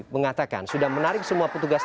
mengatakan sudah menarik semua petugas